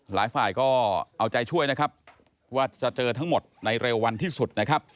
หลายฝ่ายก็เอาใจช่วยนะครับว่าจะเจอทั้งหมดในเร็ววันที่สุดนะครับ